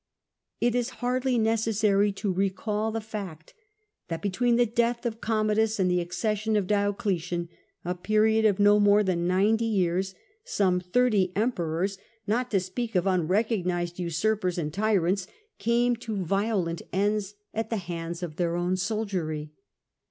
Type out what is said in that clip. It is hardly necessary to recall the fact that betwetm the death of CommoduR and the accesBion of J)iocletian— a period of no more than ninety yeara^ — some thii*ty emperors (not THE PKOBLEMS OF MONARCHY 339 to speak of unrecognised usurpers and ^'tyrants") came to violent ends at the hands of their own soldiery.